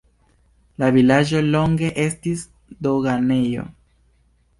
La vilaĝo longe estis doganejo.